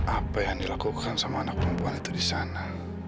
apa yang dilakukan sama anak perempuan itu di sana